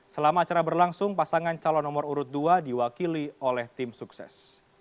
selama acara berlangsung pasangan calon nomor urut dua diwakili oleh tim sukses